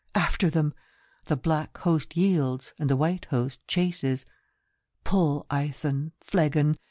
After them ! The black Host yields, and the white Host chases, Pull, Aethon, Phlegon